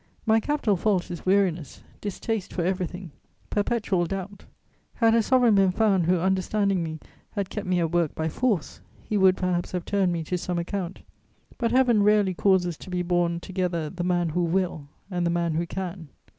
My capital fault is weariness, distaste for everything, perpetual doubt. Had a sovereign been found who, understanding me, had kept me at work by force, he would perhaps have turned me to some account: but Heaven rarely causes to be born together the man who will and the man who can.